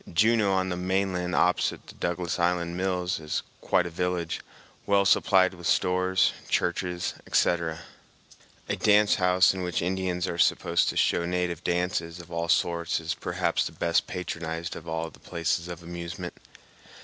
Juneau, on the mainland opposite the Douglas Island mills, is quite a village, well supplied with stores, churches, etc. A dance house in which Indians are supposed to show native dances of all sorts is perhaps the best patronized of all the places of amusement.